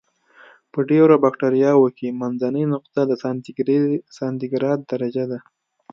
په ډېری بکټریاوو کې منځنۍ نقطه د سانتي ګراد درجه ده.